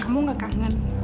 kamu gak kangen